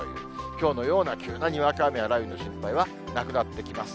きょうのような急なにわか雨や雷雨の心配はなくなってきます。